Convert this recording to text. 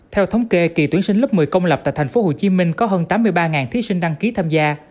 theo thống kê kỳ tuyển sinh lớp một mươi công lập tại tp hcm có hơn tám mươi ba thí sinh đăng ký tham gia